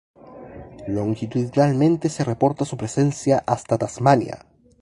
Longitudinalmente se reporta su presencia hasta Tasmania.